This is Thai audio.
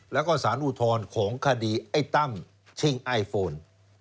แล้วก็สารอุทรของคดีไต้ตั้งชิงไอฟิอล